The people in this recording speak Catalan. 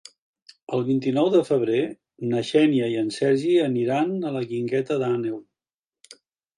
El vint-i-nou de febrer na Xènia i en Sergi aniran a la Guingueta d'Àneu.